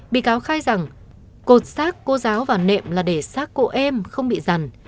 bị cáo khai rằng cột xác cô giáo vào nệm là để xác cụ em không bị rằn